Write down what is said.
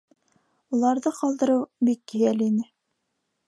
Уларҙы ҡалдырыу бик йәл ине.